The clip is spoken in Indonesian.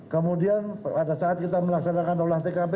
kemudian pada saat kita melaksanakan olah tkp